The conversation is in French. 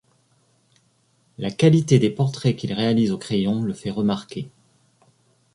La qualité des portraits qu'il réalise au crayon le fait remarquer.